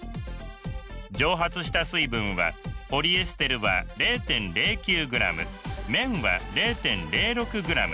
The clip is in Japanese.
蒸発した水分はポリエステルは０．０９ｇ綿は０．０６ｇ。